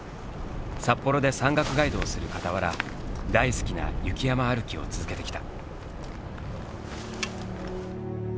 札幌で山岳ガイドをするかたわら大好きな雪山歩きを続けてきた。